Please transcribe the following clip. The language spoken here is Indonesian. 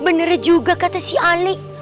bener juga kata si ali